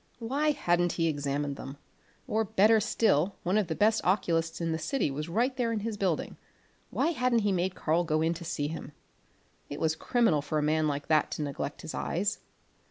Why hadn't he examined them; or better still, one of the best oculists in the city was right there in the building why hadn't he made Karl go in to see him? It was criminal for a man like that to neglect his eyes!